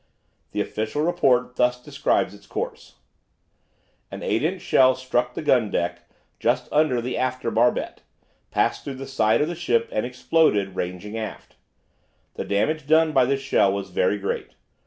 The official report thus describes its course: "An 8 inch shell struck the gun deck just under the after barbette, passed through the side of the ship, and exploded, ranging aft. The damage done by this shell was very great.